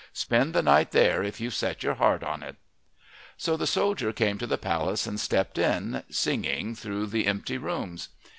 "Spend the night there if you've set your heart on it." So the soldier came to the palace and stepped in, singing through the empty rooms.